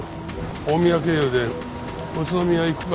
大宮経由で宇都宮行くか？